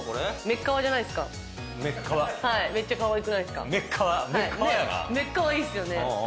めっかわいいっすよね。